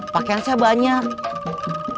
pakaian saya banyak